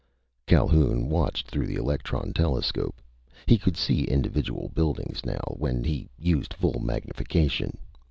_" Calhoun watched through the electron telescope. He could see individual buildings now, when he used full magnification.